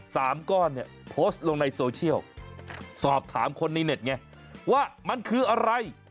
ก้อนเนี่ยโพสต์ลงในโซเชียลสอบถามคนในเน็ตไงว่ามันคืออะไร